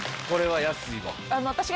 これは安いわ。